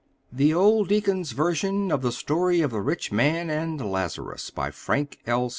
THE OLD DEACON'S VERSION OF THE STORY OF THE RICH MAN AND LAZARUS BY FRANK L.